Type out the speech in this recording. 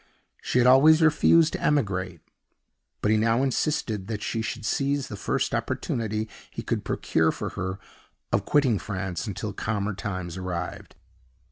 She had always refused to emigrate; but he now insisted that she should seize the first opportunity he could procure for her of quitting France until calmer times arrived.